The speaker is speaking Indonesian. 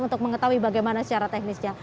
untuk mengetahui bagaimana secara teknisnya